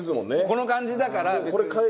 この感じだから。